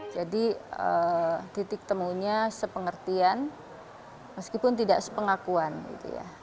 titik temunya sepengertian meskipun tidak sepengakuan gitu ya